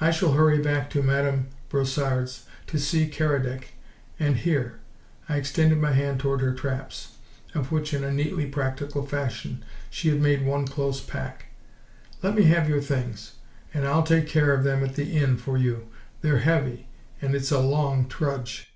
"I shall hurry back to Madame Brossard's to see Keredec and here" I extended my hand toward her traps, of which, in a neatly practical fashion, she had made one close pack "let me have your things, and I'll take care of them at the inn for you. They're heavy, and it's a long trudge."